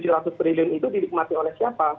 rp tujuh ratus triliun itu didikmati oleh siapa